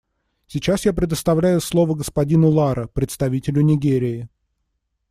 Сейчас я предоставляю слово господину Ларо — представителю Нигерии.